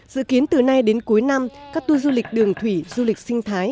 dự kiến từ nay đến cuối năm các tour du lịch đường thủy du lịch sinh thái